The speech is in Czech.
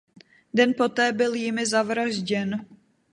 Den poté byl jimi zavražděn.